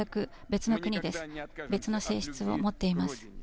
別の性質を持っています。